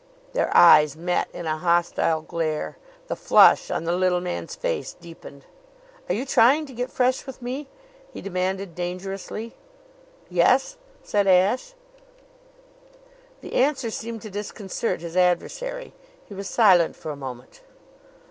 Their eyes met in a hostile glare. The flush on the little man's face deepened. "Are you trying to get fresh with me?" he demanded dangerously. "Yes," said Ashe. The answer seemed to disconcert his adversary. He was silent for a moment.